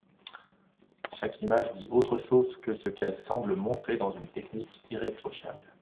Chaque image dit autre chose que ce qu’elle semble montrer, dans une technique irréprochable.